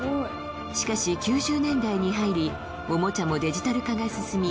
しかし９０年代に入りおもちゃもデジタル化が進み